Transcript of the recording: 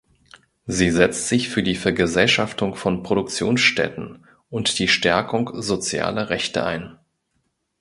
Sie setzt sich für die Vergesellschaftung von Produktionsstätten und die Stärkung sozialer Rechte ein.